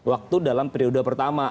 waktu dalam periode pertama